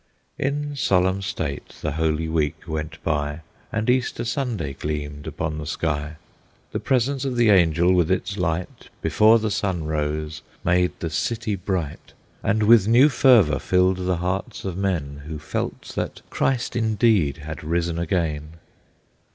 In solemn state the Holy Week went by, And Easter Sunday gleamed upon the sky; The presence of the Angel, with its light, Before the sun rose, made the city bright, And with new fervor filled the hearts of men, Who felt that Christ indeed had risen again.